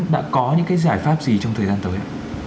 đã có những giải pháp gì trong thời gian tới